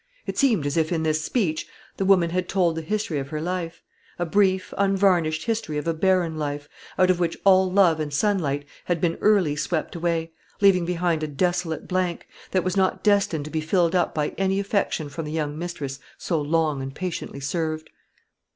It seemed as if in this speech the woman had told the history of her life; a brief, unvarnished history of a barren life, out of which all love and sunlight had been early swept away, leaving behind a desolate blank, that was not destined to be filled up by any affection from the young mistress so long and patiently served.